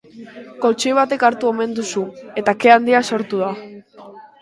Koltxoi batek hartu omen du su, eta ke handia sortu da.